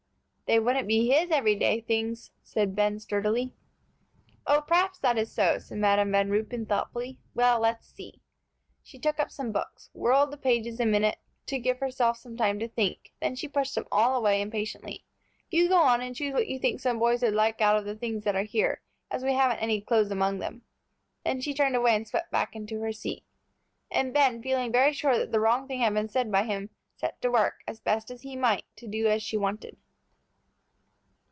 "They wouldn't be his everyday things," said Ben, sturdily. "Oh, perhaps that is so," said Madam Van Ruypen, thoughtfully. "Well, let us see." She took up some books, whirled the pages a minute, to give herself time to think, then she pushed them all away impatiently. "You go on, and choose what you think some boys would like out of the things that are here, as we haven't any clothes among them," then she turned away, and swept back into her seat. And Ben, feeling very sure that the wrong thing had been said by him, set to work, as best he might, to do as she wanted.